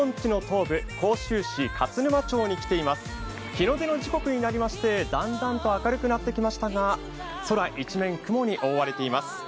日の出の時刻になりましてだんだんと明るくなってきましたが、空一面雲に覆われています。